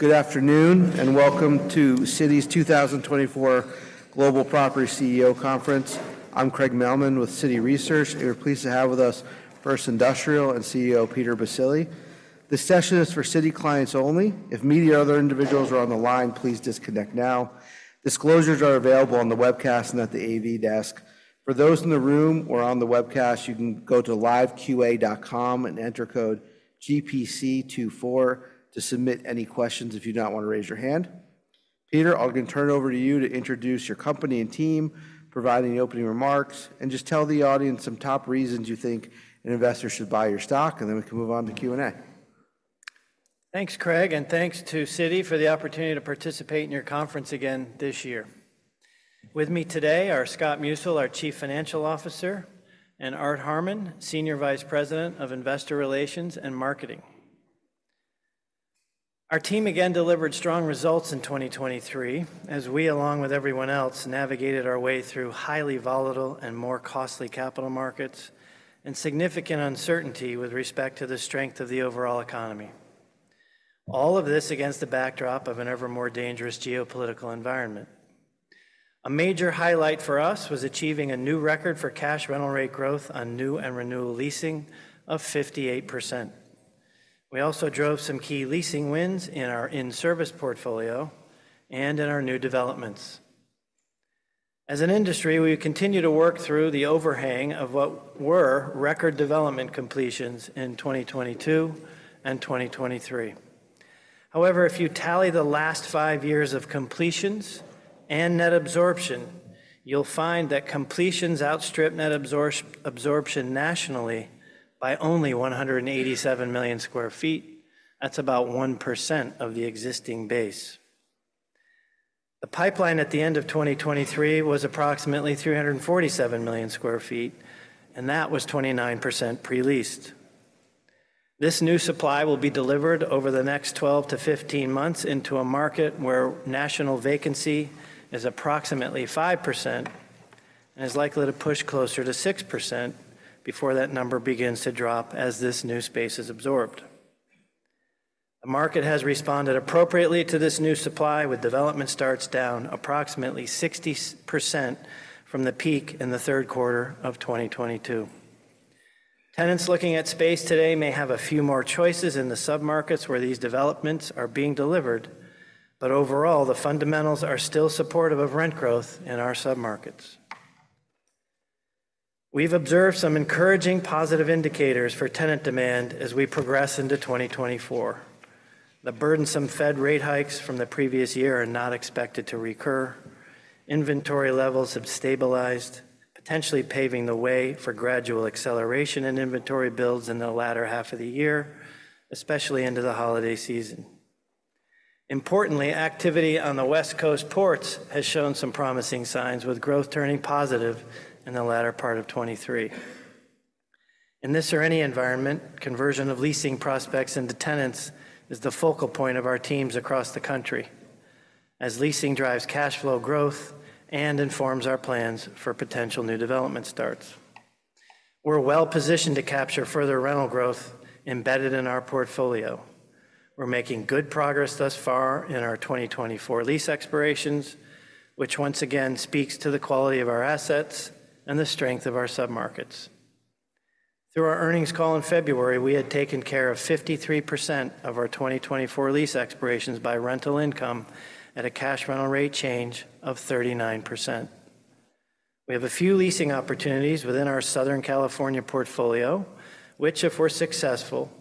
Good afternoon, and welcome to Citi's 2024 Global Property CEO Conference. I'm Craig Mailman with Citi Research, and we're pleased to have with us First Industrial and CEO Peter Baccile. This session is for Citi clients only. If media or other individuals are on the line, please disconnect now. Disclosures are available on the webcast and at the AV desk. For those in the room or on the webcast, you can go to liveqa.com and enter code GPC 24 to submit any questions if you do not want to raise your hand. Peter, I'm going to turn it over to you to introduce your company and team, provide any opening remarks, and just tell the audience some top reasons you think an investor should buy your stock, and then we can move on to Q&A. Thanks, Craig, and thanks to Citi for the opportunity to participate in your conference again this year. With me today are Scott Musil, our Chief Financial Officer, and Art Harmon, Senior Vice President of Investor Relations and Marketing. Our team again delivered strong results in 2023, as we, along with everyone else, navigated our way through highly volatile and more costly capital markets and significant uncertainty with respect to the strength of the overall economy. All of this against the backdrop of an ever more dangerous geopolitical environment. A major highlight for us was achieving a new record for cash rental rate growth on new and renewal leasing of 58%. We also drove some key leasing wins in our in-service portfolio and in our new developments. As an industry, we continue to work through the overhang of what were record development completions in 2022 and 2023. However, if you tally the last five years of completions and net absorption, you'll find that completions outstrip net absorption nationally by only 187 million sq ft. That's about 1% of the existing base. The pipeline at the end of 2023 was approximately 347 million sq ft, and that was 29% pre-leased. This new supply will be delivered over the next 12-15 months into a market where national vacancy is approximately 5% and is likely to push closer to 6% before that number begins to drop as this new space is absorbed. The market has responded appropriately to this new supply, with development starts down approximately 60% from the peak in the third quarter of 2022. Tenants looking at space today may have a few more choices in the submarkets where these developments are being delivered, but overall, the fundamentals are still supportive of rent growth in our submarkets. We've observed some encouraging positive indicators for tenant demand as we progress into 2024. The burdensome Fed rate hikes from the previous year are not expected to recur. Inventory levels have stabilized, potentially paving the way for gradual acceleration in inventory builds in the latter half of the year, especially into the holiday season. Importantly, activity on the West Coast ports has shown some promising signs, with growth turning positive in the latter part of 2023. In this or any environment, conversion of leasing prospects into tenants is the focal point of our teams across the country, as leasing drives cash flow growth and informs our plans for potential new development starts. We're well-positioned to capture further rental growth embedded in our portfolio. We're making good progress thus far in our 2024 lease expirations, which once again speaks to the quality of our assets and the strength of our submarkets. Through our earnings call in February, we had taken care of 53% of our 2024 lease expirations by rental income at a cash rental rate change of 39%. We have a few leasing opportunities within our Southern California portfolio, which, if we're successful,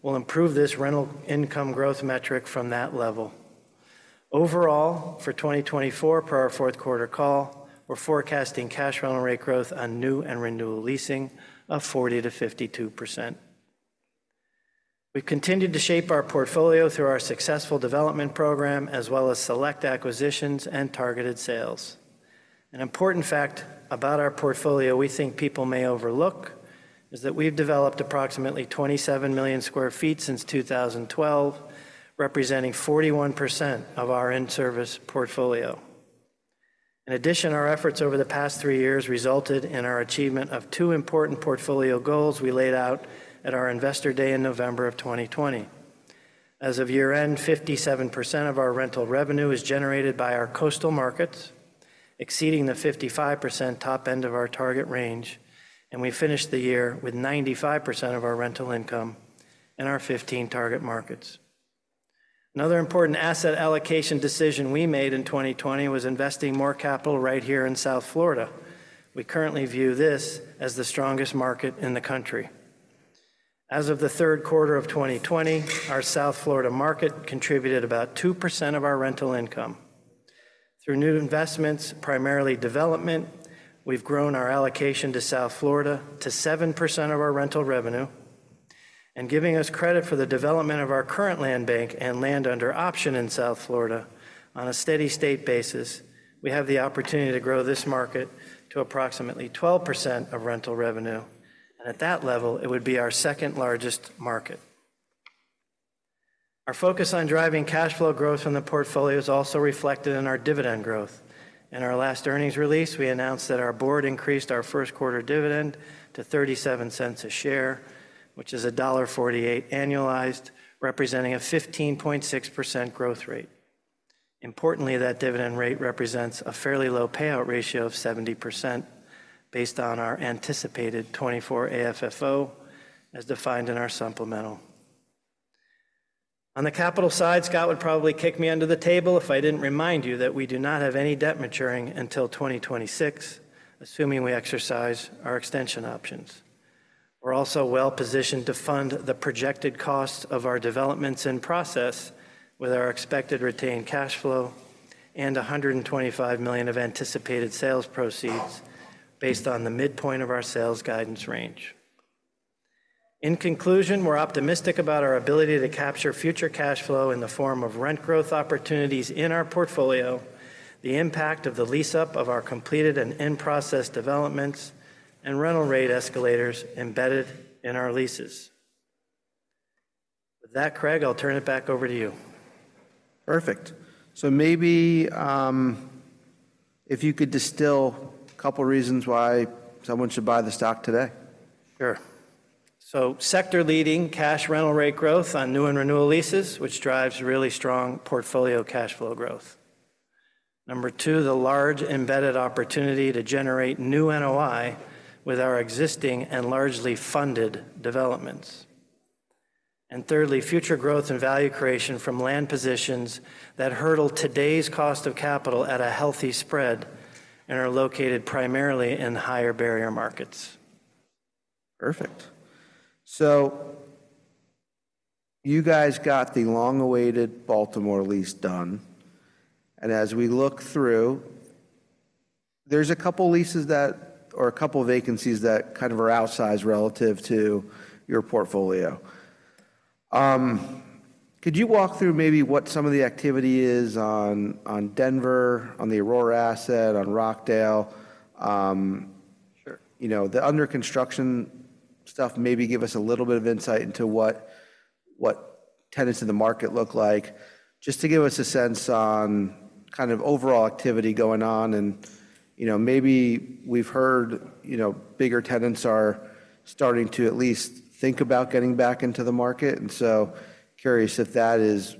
will improve this rental income growth metric from that level. Overall, for 2024, per our fourth quarter call, we're forecasting cash rental rate growth on new and renewal leasing of 40%-52%. We've continued to shape our portfolio through our successful development program, as well as select acquisitions and targeted sales. An important fact about our portfolio we think people may overlook is that we've developed approximately 27 million sq ft since 2012, representing 41% of our in-service portfolio. In addition, our efforts over the past three years resulted in our achievement of two important portfolio goals we laid out at our Investor Day in November of 2020. As of year-end, 57% of our rental revenue is generated by our coastal markets, exceeding the 55% top end of our target range, and we finished the year with 95% of our rental income in our 15 target markets. Another important asset allocation decision we made in 2020 was investing more capital right here in South Florida. We currently view this as the strongest market in the country. As of the third quarter of 2020, our South Florida market contributed about 2% of our rental income. Through new investments, primarily development, we've grown our allocation to South Florida to 7% of our rental revenue, and giving us credit for the development of our current land bank and land under option in South Florida on a steady state basis, we have the opportunity to grow this market to approximately 12% of rental revenue, and at that level, it would be our second largest market. Our focus on driving cash flow growth from the portfolio is also reflected in our dividend growth. In our last earnings release, we announced that our board increased our first quarter dividend to $0.37 a share, which is $1.48 annualized, representing a 15.6% growth rate.... Importantly, that dividend rate represents a fairly low payout ratio of 70%, based on our anticipated 2024 AFFO, as defined in our supplemental. On the capital side, Scott would probably kick me under the table if I didn't remind you that we do not have any debt maturing until 2026, assuming we exercise our extension options. We're also well-positioned to fund the projected cost of our developments in process with our expected retained cash flow and $125 million of anticipated sales proceeds based on the midpoint of our sales guidance range. In conclusion, we're optimistic about our ability to capture future cash flow in the form of rent growth opportunities in our portfolio, the impact of the lease-up of our completed and in-process developments, and rental rate escalators embedded in our leases. With that, Craig, I'll turn it back over to you. Perfect. So maybe, if you could distill a couple reasons why someone should buy the stock today? Sure. So sector-leading cash rental rate growth on new and renewal leases, which drives really strong portfolio cash flow growth. Number two, the large embedded opportunity to generate new NOI with our existing and largely funded developments. And thirdly, future growth and value creation from land positions that hurdle today's cost of capital at a healthy spread and are located primarily in higher barrier markets. Perfect. So you guys got the long-awaited Baltimore lease done, and as we look through, there's a couple leases that, or a couple vacancies that kind of are outsized relative to your portfolio. Could you walk through maybe what some of the activity is on Denver, on the Aurora asset, on Rockdale? Sure. You know, the under construction stuff, maybe give us a little bit of insight into what, what tenants in the market look like, just to give us a sense on kind of overall activity going on. And, you know, maybe we've heard, you know, bigger tenants are starting to at least think about getting back into the market. And so curious if that is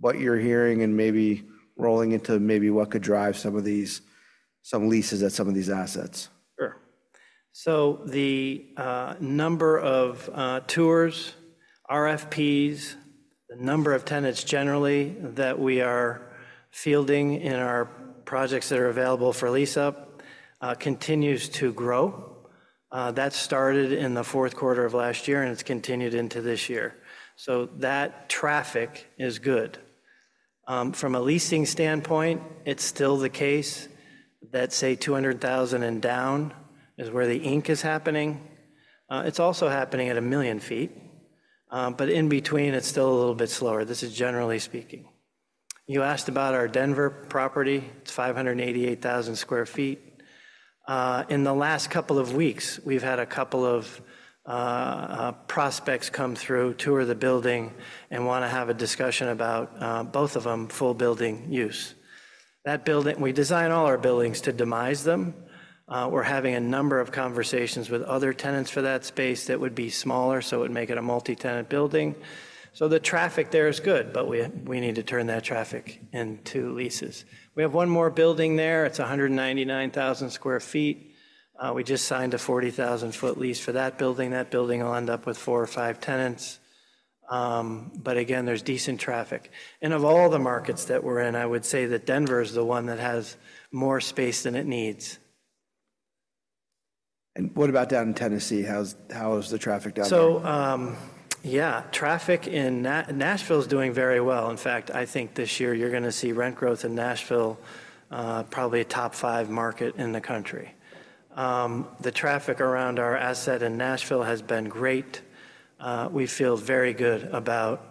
what you're hearing and maybe rolling into maybe what could drive some of these, some leases at some of these assets. Sure. So the number of tours, RFPs, the number of tenants generally that we are fielding in our projects that are available for lease-up continues to grow. That started in the fourth quarter of last year, and it's continued into this year. So that traffic is good. From a leasing standpoint, it's still the case that, say, 200,000 and down is where the ink is happening. It's also happening at 1 million feet, but in between, it's still a little bit slower. This is generally speaking. You asked about our Denver property. It's 588,000 sq ft. In the last couple of weeks, we've had a couple of prospects come through, tour the building, and wanna have a discussion about both of them, full building use. That building. We design all our buildings to demise them. We're having a number of conversations with other tenants for that space that would be smaller, so it would make it a multi-tenant building. So the traffic there is good, but we, we need to turn that traffic into leases. We have one more building there. It's 199,000 sq ft. We just signed a 40,000-foot lease for that building. That building will end up with four or five tenants. But again, there's decent traffic. And of all the markets that we're in, I would say that Denver is the one that has more space than it needs. What about down in Tennessee? How is the traffic down there? Yeah, traffic in Nashville is doing very well. In fact, I think this year you're gonna see rent growth in Nashville, probably a top five market in the country. The traffic around our asset in Nashville has been great. We feel very good about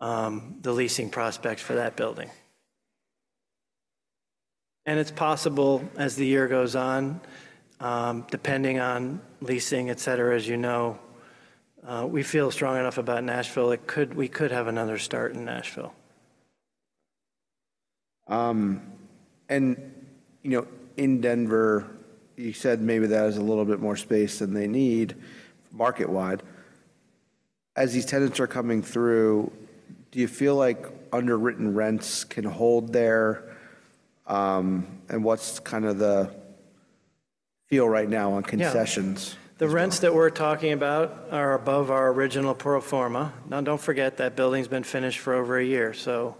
the leasing prospects for that building. And it's possible, as the year goes on, depending on leasing, etc., as you know, we feel strong enough about Nashville; we could have another start in Nashville. You know, in Denver, you said maybe that is a little bit more space than they need market-wide. As these tenants are coming through, do you feel like underwritten rents can hold there? What's kind of the feel right now on concessions? Yeah. The rents that we're talking about are above our original pro forma. Now, don't forget, that building's been finished for over a year, so,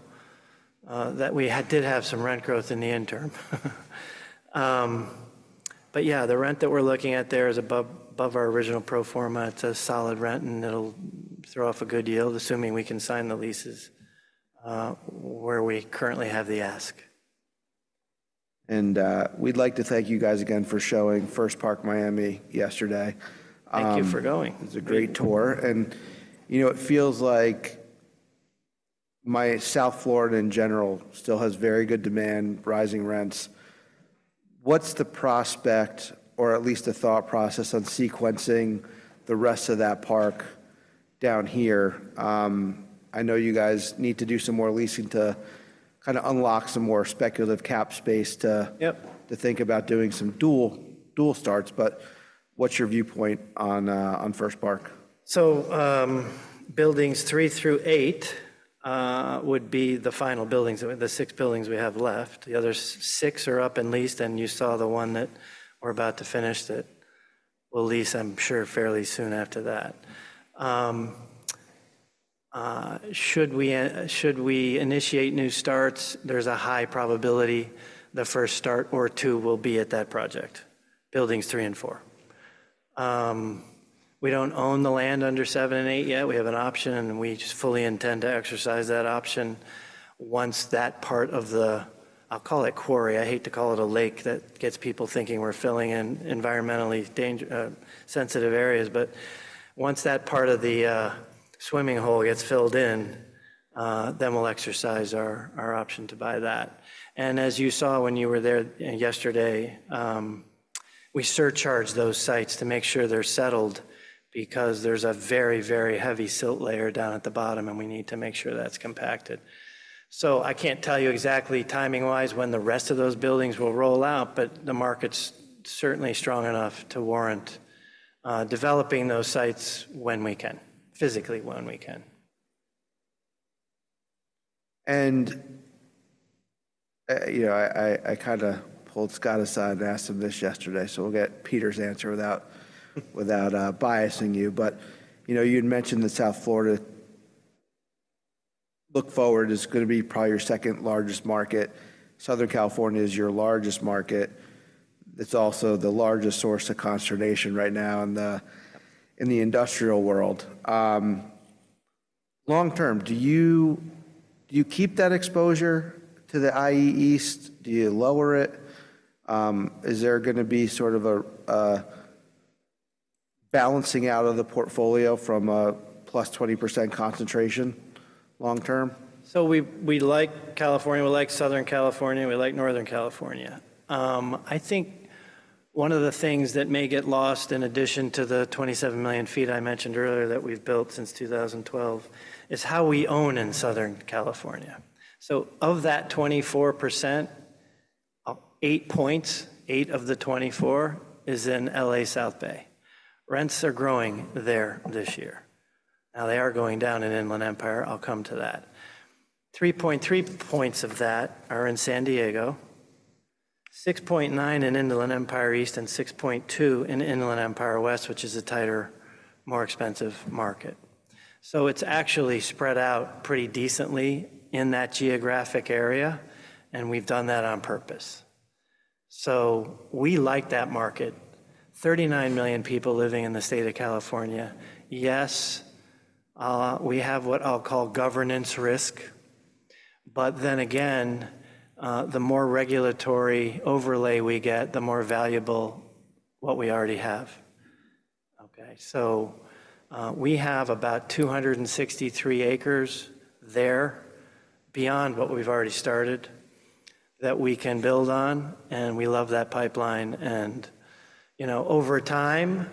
that we had, did have some rent growth in the interim. But yeah, the rent that we're looking at there is above, above our original pro forma. It's a solid rent, and it'll throw off a good yield, assuming we can sign the leases, where we currently have the ask. We'd like to thank you guys again for showing First Park Miami yesterday. Thank you for going. It was a great tour, and, you know, it feels like my South Florida, in general, still has very good demand, rising rents. What's the prospect or at least the thought process on sequencing the rest of that park down here? I know you guys need to do some more leasing to kinda unlock some more speculative cap space to- Yep... to think about doing some dual starts, but what's your viewpoint on First Park? So, buildings three through eight would be the final buildings, the six buildings we have left. The other six are up and leased, and you saw the one that we're about to finish that we'll lease, I'm sure, fairly soon after that. Should we initiate new starts, there's a high probability the first start or two will be at that project, buildings three and four. We don't own the land under seven and eight yet. We have an option, and we just fully intend to exercise that option. Once that part of the quarry, I'll call it quarry, I hate to call it a lake, that gets people thinking we're filling in environmentally dangerous sensitive areas. But once that part of the swimming hole gets filled in, then we'll exercise our option to buy that. As you saw when you were there yesterday, we surcharge those sites to make sure they're settled, because there's a very, very heavy silt layer down at the bottom, and we need to make sure that's compacted. I can't tell you exactly timing-wise when the rest of those buildings will roll out, but the market's certainly strong enough to warrant developing those sites when we can, physically when we can. You know, I kinda pulled Scott aside and asked him this yesterday, so we'll get Peter's answer without biasing you. But, you know, you'd mentioned that South Florida, looking forward, is gonna be probably your second-largest market. Southern California is your largest market. It's also the largest source of consternation right now in the industrial world. Long term, do you keep that exposure to the IE East, do you lower it? Is there gonna be sort of a balancing out of the portfolio from a +20% concentration long term? So we, we like California, we like Southern California, we like Northern California. I think one of the things that may get lost in addition to the 27 million sq ft I mentioned earlier that we've built since 2012, is how we own in Southern California. So of that 24%, 8.8 of the 24 is in LA, South Bay. Rents are growing there this year. Now, they are going down in Inland Empire. I'll come to that. 3.3 points of that are in San Diego, 6.9 in Inland Empire East, and 6.2 in Inland Empire West, which is a tighter, more expensive market. So it's actually spread out pretty decently in that geographic area, and we've done that on purpose. So we like that market. 39 million people living in the state of California. Yes, we have what I'll call governance risk, but then again, the more regulatory overlay we get, the more valuable what we already have. Okay, so, we have about 263 acres there, beyond what we've already started, that we can build on, and we love that pipeline. And, you know, over time,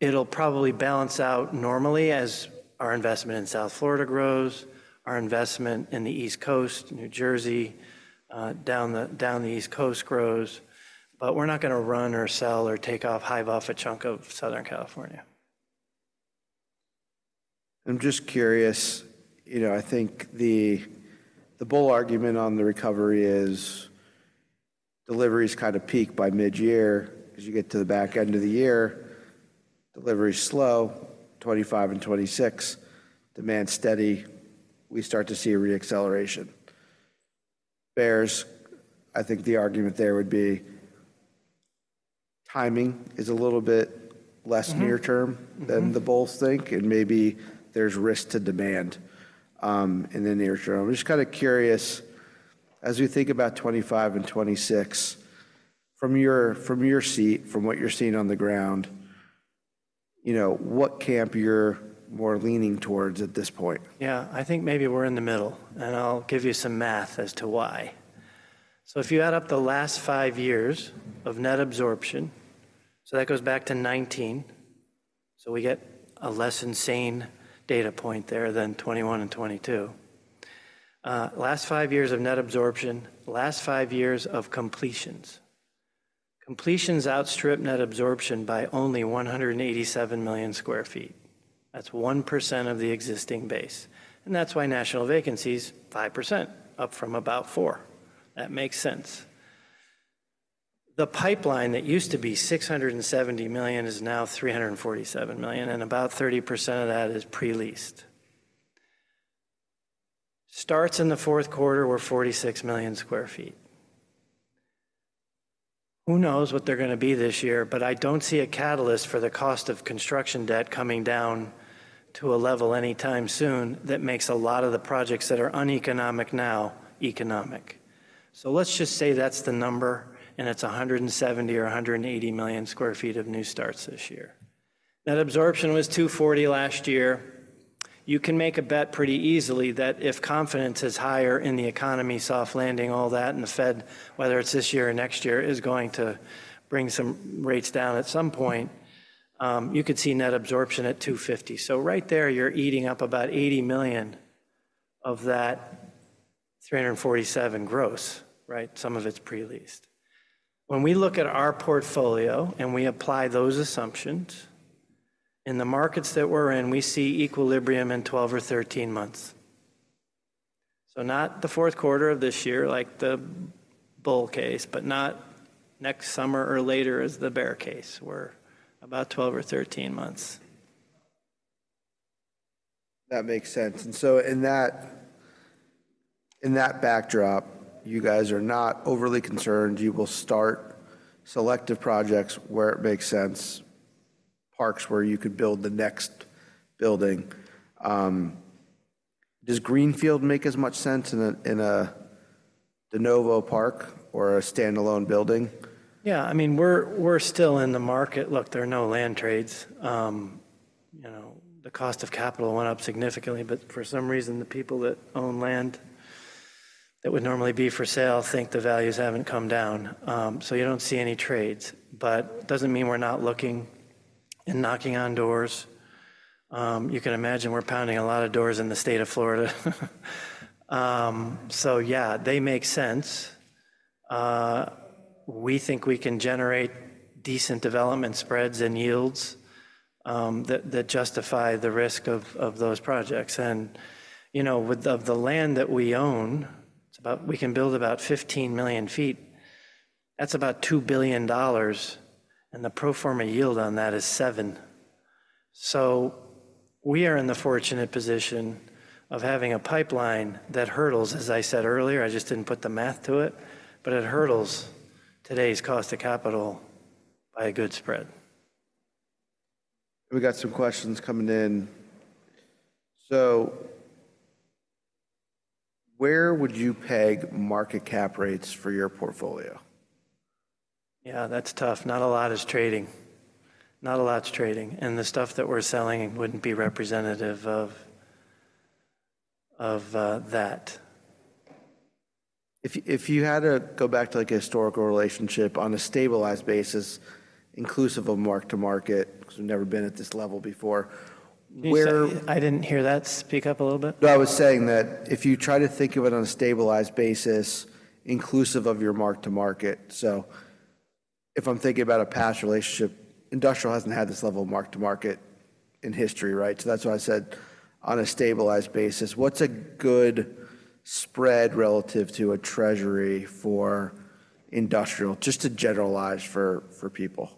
it'll probably balance out normally as our investment in South Florida grows, our investment in the East Coast, New Jersey, down the East Coast grows, but we're not gonna run or sell or take off, hive off a chunk of Southern California. I'm just curious, you know, I think the bull argument on the recovery is deliveries kind of peak by mid-year. As you get to the back end of the year, delivery is slow, 2025 and 2026, demand is steady, we start to see a re-acceleration. Bears, I think the argument there would be timing is a little bit less- Mm-hmm... near term. Mm-hmm - than the bears think, and maybe there's risk to demand, in the near term. I'm just kinda curious, as you think about 25 and 26, from your, from your seat, from what you're seeing on the ground, you know, what camp you're more leaning towards at this point? Yeah, I think maybe we're in the middle, and I'll give you some math as to why. So if you add up the last five years of net absorption, so that goes back to 2019, so we get a less insane data point there than 2021 and 2022. Last five years of net absorption, last five years of completions. Completions outstrip net absorption by only 187 million sq ft. That's 1% of the existing base, and that's why national vacancy is 5%, up from about four. That makes sense. The pipeline that used to be 670 million is now 347 million, and about 30% of that is pre-leased. Starts in the fourth quarter were 46 million sq ft. Who knows what they're gonna be this year? But I don't see a catalyst for the cost of construction debt coming down to a level anytime soon that makes a lot of the projects that are uneconomic now, economic. So let's just say that's the number, and it's 170 or 180 million sq ft of new starts this year. Net absorption was 240 last year. You can make a bet pretty easily that if confidence is higher in the economy, soft landing, all that, and the Fed, whether it's this year or next year, is going to bring some rates down at some point, you could see net absorption at 250. So right there, you're eating up about 80 million of that 347 gross, right? Some of it's pre-leased. When we look at our portfolio, and we apply those assumptions, in the markets that we're in, we see equilibrium in 12 or 13 months. So not the fourth quarter of this year, like the bull case, but not next summer or later as the bear case. We're about 12 or 13 months. That makes sense. And so in that, in that backdrop, you guys are not overly concerned. You will start selective projects where it makes sense, parks where you could build the next building. Does Greenfield make as much sense in a de novo park or a standalone building? Yeah, I mean, we're still in the market. Look, there are no land trades. You know, the cost of capital went up significantly, but for some reason, the people that own land that would normally be for sale think the values haven't come down. So you don't see any trades, but it doesn't mean we're not looking and knocking on doors. You can imagine we're pounding a lot of doors in the state of Florida. So yeah, they make sense. We think we can generate decent development spreads and yields that justify the risk of those projects. And, you know, with the land that we own, it's about—we can build about 15 million sq ft. That's about $2 billion, and the pro forma yield on that is 7%. So we are in the fortunate position of having a pipeline that hurdles, as I said earlier, I just didn't put the math to it, but it hurdles today's cost to capital by a good spread. We got some questions coming in. Where would you peg market cap rates for your portfolio? Yeah, that's tough. Not a lot is trading. Not a lot is trading, and the stuff that we're selling wouldn't be representative of that. If you, if you had to go back to, like, a historical relationship on a stabilized basis, inclusive of mark-to-market, because we've never been at this level before, where- I didn't hear that. Speak up a little bit. I was saying that if you try to think of it on a stabilized basis, inclusive of your mark-to-market. So if I'm thinking about a past relationship, industrial hasn't had this level of mark-to-market in history, right? So that's why I said on a stabilized basis, what's a good spread relative to a Treasury for industrial, just to generalize for people?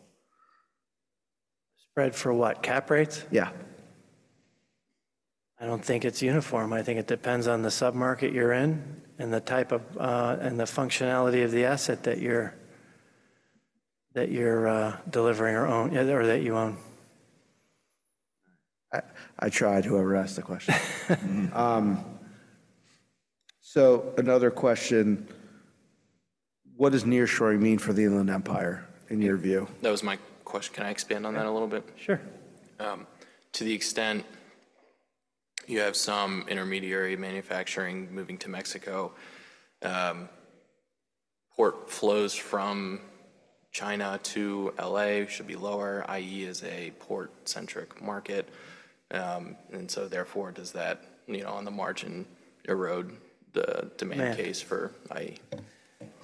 Spread for what? cap rates? Yeah. I don't think it's uniform. I think it depends on the submarket you're in and the type of, and the functionality of the asset that you're delivering or own, or that you own. I tried, whoever asked the question. So another question: What does nearshoring mean for the Inland Empire, in your view? That was my question. Can I expand on that a little bit? Sure. To the extent you have some intermediary manufacturing moving to Mexico, port flows from China to LA should be lower, i.e., IE is a port-centric market. And so therefore, does that, you know, on the margin, erode the demand case for IE?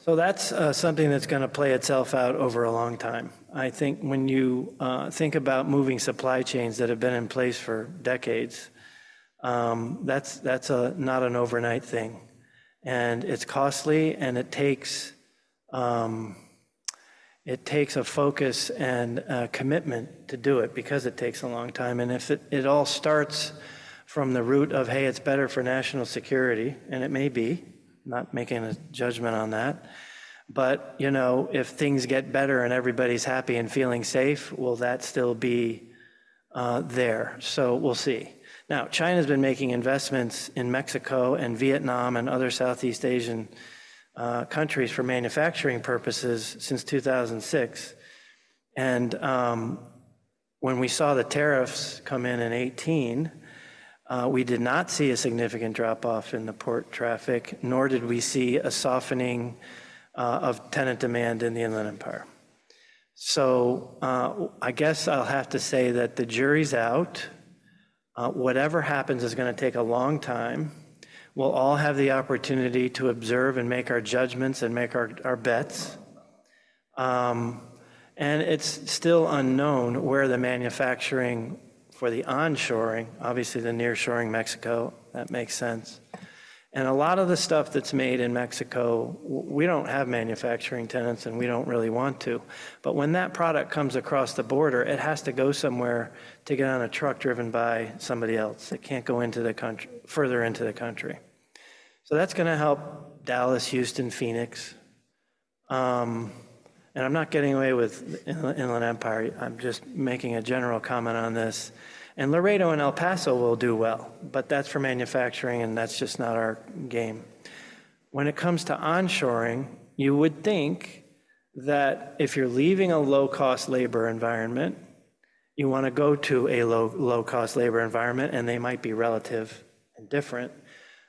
So that's something that's gonna play itself out over a long time. I think when you think about moving supply chains that have been in place for decades, that's not an overnight thing, and it's costly, and it takes a focus and a commitment to do it because it takes a long time. And it all starts from the root of, hey, it's better for national security, and it may be, not making a judgment on that, but, you know, if things get better and everybody's happy and feeling safe, will that still be there? So we'll see. Now, China's been making investments in Mexico and Vietnam and other Southeast Asian countries for manufacturing purposes since 2006. When we saw the tariffs come in in 2018, we did not see a significant drop-off in the port traffic, nor did we see a softening of tenant demand in the Inland Empire. So, I guess I'll have to say that the jury's out. Whatever happens is gonna take a long time. We'll all have the opportunity to observe and make our judgments and make our bets. And it's still unknown where the manufacturing for the onshoring, obviously, the nearshoring Mexico, that makes sense. And a lot of the stuff that's made in Mexico, we don't have manufacturing tenants, and we don't really want to. But when that product comes across the border, it has to go somewhere to get on a truck driven by somebody else. It can't go into the country further into the country. So that's gonna help Dallas, Houston, Phoenix. And I'm not getting away with the Inland Empire. I'm just making a general comment on this. And Laredo and El Paso will do well, but that's for manufacturing, and that's just not our game. When it comes to onshoring, you would think that if you're leaving a low-cost labor environment, you wanna go to a low, low-cost labor environment, and they might be relative and different,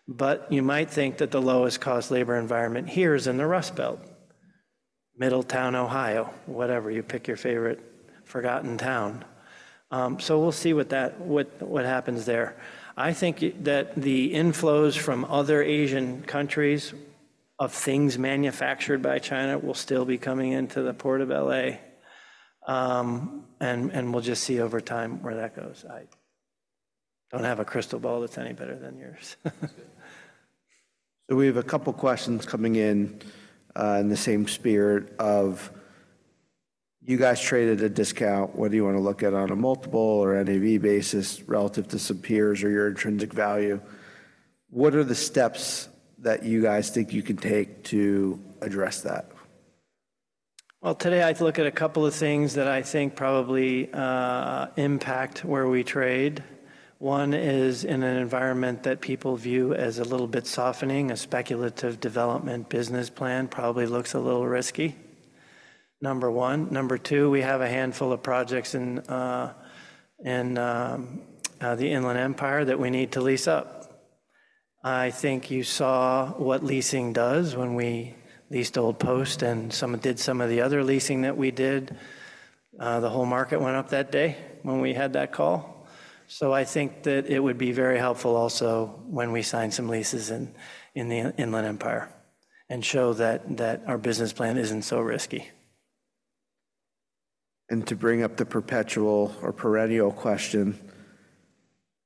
but you might think that the lowest-cost labor environment here is in the Rust Belt.... Middletown, Ohio, whatever, you pick your favorite forgotten town. So we'll see what that, what happens there. I think that the inflows from other Asian countries of things manufactured by China will still be coming into the port of LA. And we'll just see over time where that goes. I don't have a crystal ball that's any better than yours. We have a couple questions coming in, in the same spirit of you guys traded a discount, whether you wanna look at it on a multiple or NAV basis, relative to some peers or your intrinsic value, what are the steps that you guys think you can take to address that? Well, today I'd look at a couple of things that I think probably impact where we trade. One is in an environment that people view as a little bit softening. A speculative development business plan probably looks a little risky, number one. Number two, we have a handful of projects in the Inland Empire that we need to lease up. I think you saw what leasing does when we leased Old Post and did some of the other leasing that we did. The whole market went up that day when we had that call. So I think that it would be very helpful also when we sign some leases in the Inland Empire and show that our business plan isn't so risky. To bring up the perpetual or perennial question,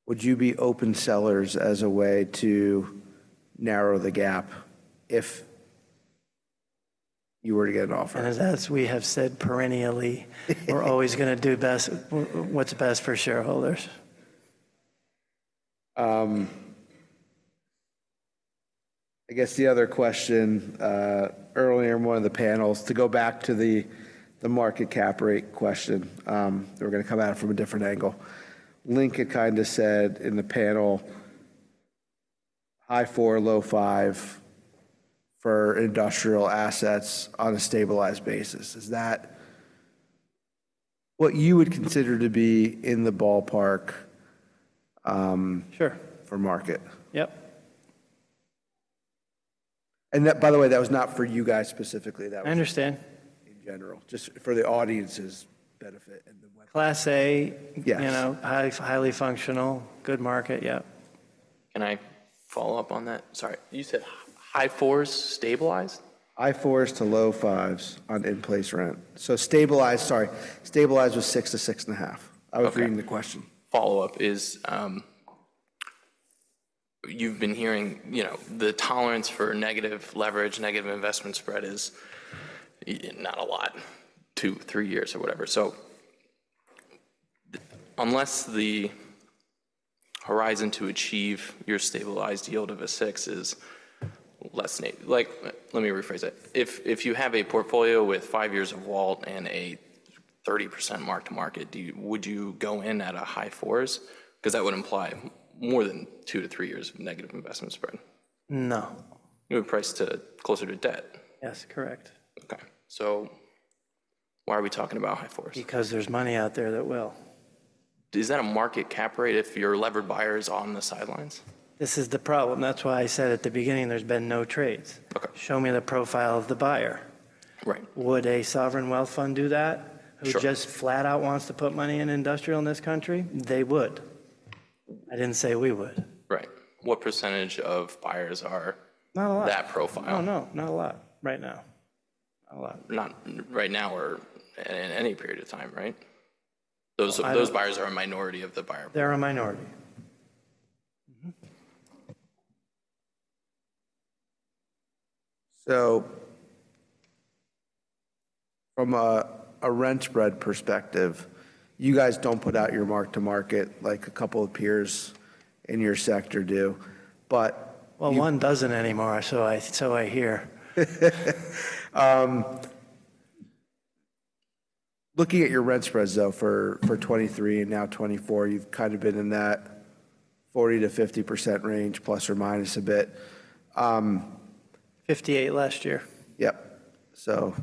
would you be open sellers as a way to narrow the gap if you were to get an offer? And as we have said perennially, we're always gonna do what's best for shareholders. I guess the other question, earlier in one of the panels, to go back to the market cap rate question, we're gonna come at it from a different angle. Lincoln kind of said in the panel, high four, low five for industrial assets on a stabilized basis. Is that what you would consider to be in the ballpark? Sure... for market? Yep. That, by the way, was not for you guys specifically. That was- I understand... in general, just for the audience's benefit, and then when- Class A- Yes... you know, high, highly functional, good market, yep. Can I follow up on that? Sorry. You said high fours, stabilized? High 4s to low 5s on in-place rent. So stabilized, sorry, stabilized was 6-6.5. Okay. I was reading the question. Follow-up is, you've been hearing, you know, the tolerance for negative leverage, negative investment spread is not a lot, 2-3 years or whatever. So unless the horizon to achieve your stabilized yield of a six is less than... Like, let me rephrase that. If, if you have a portfolio with five years of WALT and a 30% mark-to-market, do you, would you go in at a high fours? 'Cause that would imply more than 2-3 years of negative investment spread. No. You would price to closer to debt? Yes, correct. Okay. So why are we talking about high fours? Because there's money out there that will. Is that a market cap rate if your levered buyer is on the sidelines? This is the problem. That's why I said at the beginning, there's been no trades. Okay. Show me the profile of the buyer. Right. Would a sovereign wealth fund do that? Sure. Who just flat out wants to put money in industrial in this country? They would. I didn't say we would. Right. What percentage of buyers are- Not a lot.... that profile? No, no, not a lot right now. Not a lot. Not right now or in any period of time, right? I don't- Those buyers are a minority of the buyer. They're a minority. Mm-hmm. So from a rent spread perspective, you guys don't put out your mark-to-market like a couple of peers in your sector do, but- Well, one doesn't anymore, so I, so I hear. Looking at your rent spreads, though, for 2023 and now 2024, you've kind of been in that 40%-50% range, plus or minus a bit. 58 last year. Yep, so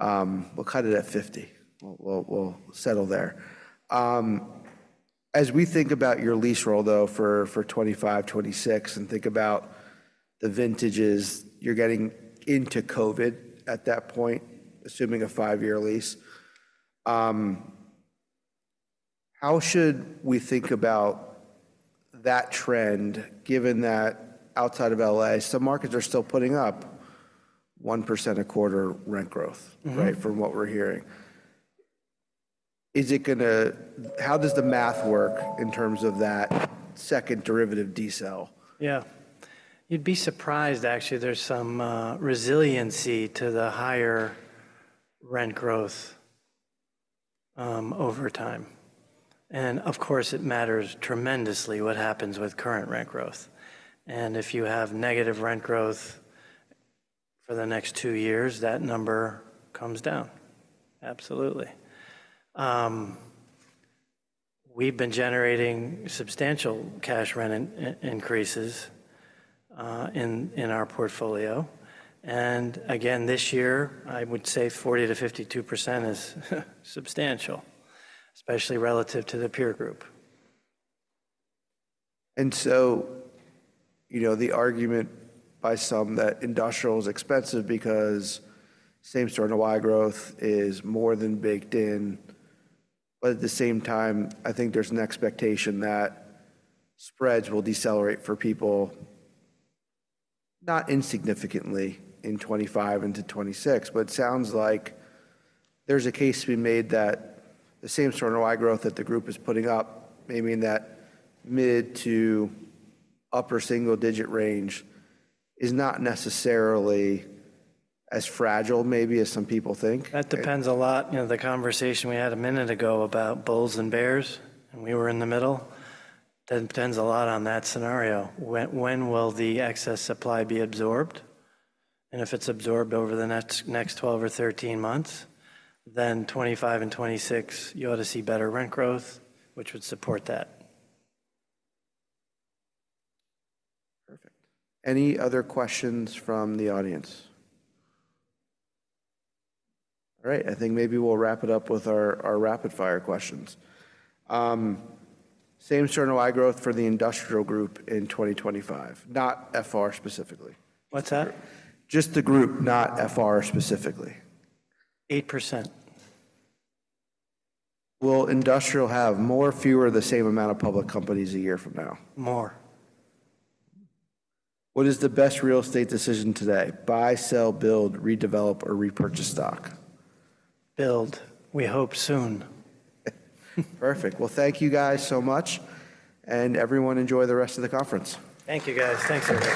40-60. We'll settle there. As we think about your lease roll, though, for 2025, 2026, and think about the vintages, you're getting into COVID at that point, assuming a five-year lease. How should we think about that trend, given that outside of L.A., some markets are still putting up 1% a quarter rent growth- Mm-hmm... right, from what we're hearing? Is it gonna, how does the math work in terms of that second derivative decel? Yeah. You'd be surprised, actually, there's some resiliency to the higher rent growth over time. And of course, it matters tremendously what happens with current rent growth. And if you have negative rent growth for the next two years, that number comes down. Absolutely. We've been generating substantial cash rent increases in our portfolio, and again, this year, I would say 40%-52% is substantial, especially relative to the peer group. So, you know, the argument by some that industrial is expensive because same-store NOI growth is more than baked in, but at the same time, I think there's an expectation that spreads will decelerate for people, not insignificantly in 2025 into 2026. But it sounds like there's a case to be made that the same-store NOI growth that the group is putting up, maybe in that mid- to upper-single-digit range, is not necessarily as fragile maybe as some people think. That depends a lot, you know, the conversation we had a minute ago about bulls and bears, and we were in the middle, depends a lot on that scenario. When will the excess supply be absorbed? And if it's absorbed over the next 12 or 13 months, then 25 and 26, you ought to see better rent growth, which would support that. Perfect. Any other questions from the audience? All right, I think maybe we'll wrap it up with our rapid-fire questions. Same-Store NOI Growth for the industrial group in 2025, not FR specifically. What's that? Just the group, not FR specifically. Eight percent. Will industrial have more, fewer, the same amount of public companies a year from now? More. What is the best real estate decision today? Buy, sell, build, redevelop, or repurchase stock. Build. We hope soon. Perfect. Well, thank you guys so much, and everyone, enjoy the rest of the conference. Thank you, guys. Thanks, everyone.